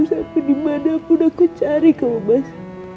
sampai dimanapun aku cari kamu bas